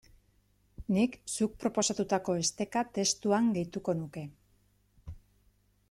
Nik zuk proposatutako esteka testuan gehituko nuke.